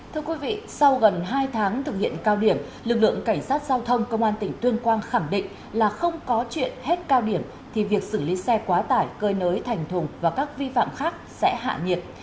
thưa quý vị sau gần hai tháng thực hiện cao điểm lực lượng cảnh sát giao thông công an tỉnh tuyên quang khẳng định là không có chuyện hết cao điểm thì việc xử lý xe quá tải cơi nới thành thùng và các vi phạm khác sẽ hạ nhiệt